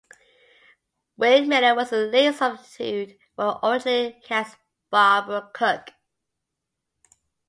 Wynne Miller was a late substitute for the originally cast Barbara Cook.